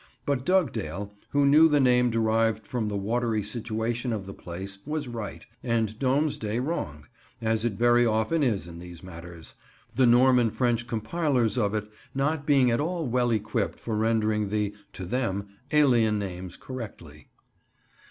But Dugdale, who knew the name derived from the watery situation of the place, was right, and Domesday wrong, as it very often is in these matters, the Norman French compilers of it not being at all well equipped for rendering the, to them, alien names correctly.